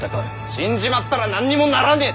死んじまったら何にもならねぇ。